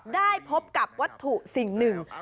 ได้พบกับวัตถุสิ่งหนึ่ง